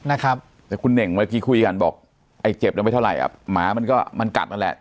นะครับแต่คุณเน่งเมื่อกี้คุยกันบอกไอ้เจ็บแล้วไม่เท่าไหร่อ่ะหมามันก็มันกัดนั่นแหละ